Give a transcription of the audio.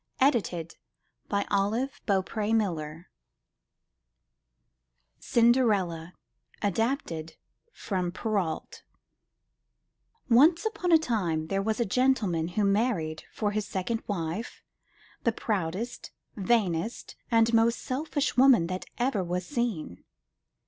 164 UP ONE PAIR OF STAIRS CINDERELLA 'AdaptedFrom Perrault Once upon a time there was a gentleman who married for his second wife, the proudest, vainest, and most selfish woman that ever was seen.